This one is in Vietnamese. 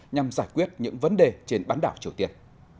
nhằm giải quyết những vấn đề trên bán đảo triều tiên